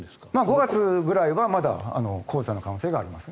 ５月ぐらいはまだ黄砂の可能性があります。